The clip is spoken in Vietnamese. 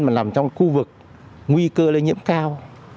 mà nằm trong khu vực nguy cơ lây nhiễm cao